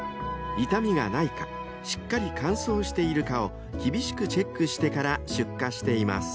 ［傷みがないかしっかり乾燥しているかを厳しくチェックしてから出荷しています］